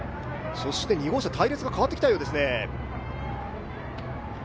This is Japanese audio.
２号車、隊列が変わってきたようですね。